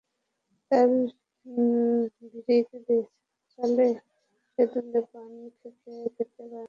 তারপর ভারিক্কি চালে হেলেদুলে পান খেতে খেতে বারান্দা ধরে এগিয়ে আসতে লাগলেন।